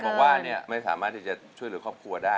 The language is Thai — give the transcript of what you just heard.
ใช่บอกว่าเนี่ยไม่สามารถที่จะช่วยเลยครอบครัวได้